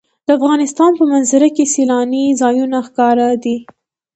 د افغانستان په منظره کې سیلاني ځایونه ښکاره دي.